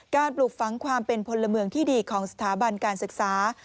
ปลูกฝังความเป็นพลเมืองที่ดีของสถาบันการศึกษา